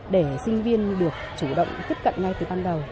để sinh viên được chủ động tiếp cận ngay từ ban đầu